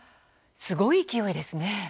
すごい勢いですね。